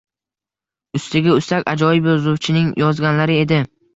Ustiga-ustak ajoyib yozuvchining yozganlari edi.